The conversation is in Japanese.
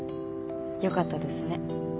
よかったですね。